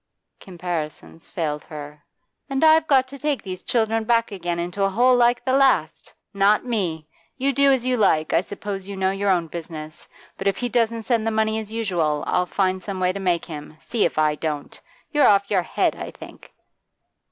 Comparisons failed her. 'And I've got to take these children back again into a hole like the last? Not me! You do as you like; I suppose you know your own business. But if he doesn't send the money as usual, I'll find some way to make him, see if I don't! You're off your head, I think.